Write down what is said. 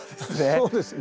そうですね。